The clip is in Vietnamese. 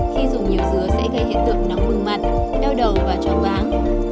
khi dùng nhiều dứa sẽ gây hiện tượng nóng bừng mặt đau đầu và trọng váng